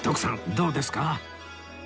どうですか？